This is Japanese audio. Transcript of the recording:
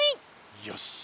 よし！